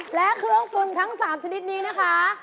และเครื่องฟุนทั้ง๓ชนิดนี้นะคะ